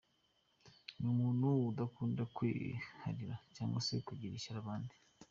Ni umuntu udakunda kwiharira cyangwa se kugirira ishyari abandi.